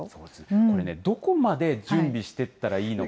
これね、どこまで準備していったらいいのか。